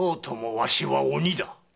わしは鬼だ。